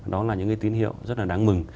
đó là những cái tín hiệu rất là đáng mừng